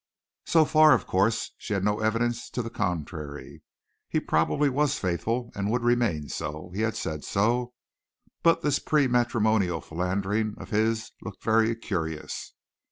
So far, of course, she had no evidence to the contrary. He probably was faithful and would remain so. He had said so, but this pre matrimonial philandering of his looked very curious.